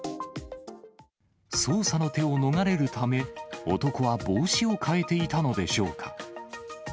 捜査の手を逃れるため、男は帽子を替えていたのでしょうか。